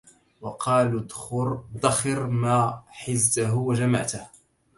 وقالوا ادخر ما حزته وجمعته